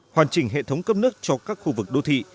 hoàn chỉnh hệ thống cấp nước cho các khu vực đô thị